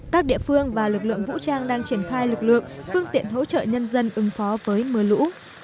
các địa phương và lực lượng vũ trang đang triển khai lực lượng phương tiện hỗ trợ nhân dân ứng phó với mưa lũ